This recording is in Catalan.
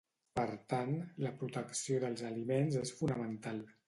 Per tant, la protecció dels aliments és fonamental.